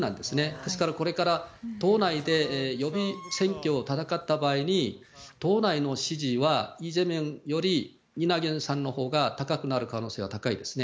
ですからこれから党内で予備選挙を戦った場合に党内の支持はイ・ジェミョンよりイ・ナギョンさんのほうが高くなる可能性は高いです。